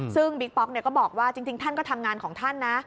ซึ่งบิ๊กป๊อกก็บอกว่าจริงท่านก็ทำงานของท่านนะ